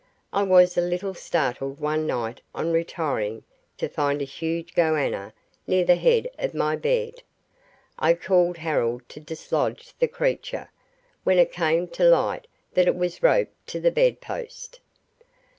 I was a little startled one night on retiring to find a huge goanna near the head of my bed. I called Harold to dislodge the creature, when it came to light that it was roped to the bedpost.